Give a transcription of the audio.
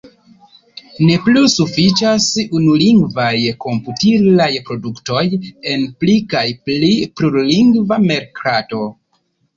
Ne plu sufiĉas unulingvaj komputilaj produktoj en pli kaj pli plurlingva merkato.